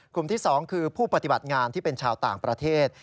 ที่๒คือผู้ปฏิบัติงานที่เป็นชาวต่างประเทศ